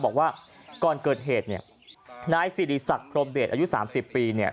บอกว่าก่อนเกิดเหตุเนี่ยนายสิริสักพรมเดชอายุ๓๐ปีเนี่ย